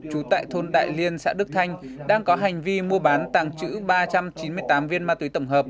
trú tại thôn đại liên xã đức thanh đang có hành vi mua bán tàng trữ ba trăm chín mươi tám viên ma túy tổng hợp